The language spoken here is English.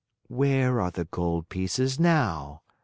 '" "Where are the gold pieces now?"